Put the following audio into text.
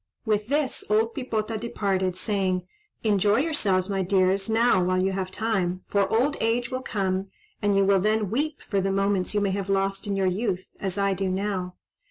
With this old Pipota departed, saying, "Enjoy yourselves, my dears, now while you have time, for old age will come and you will then weep for the moments you may have lost in your youth, as I do now.